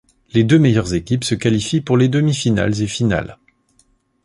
Les deux meilleures équipes se qualifient pour les demi-finales et finales.